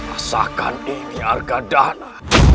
asalkan ini arkadama